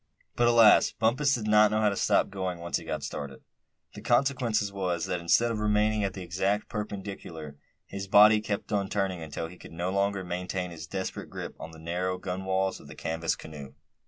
But alas! Bumpus did not know how to stop going, once he got started. The consequence was, that instead of remaining at an exact perpendicular, his body kept on turning until he could no longer maintain his desperate grip on the narrow gunwales of the canvas canoe.